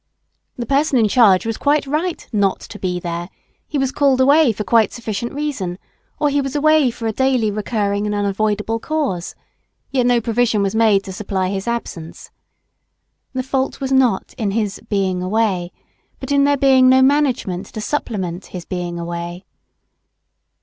The person in charge was quite right not to be "there," he was called away for quite sufficient reason, or he was away for a daily recurring and unavoidable cause; yet no provision was made to supply his absence. The fault was not in his "being away," but in there being no management to supplement his "being away."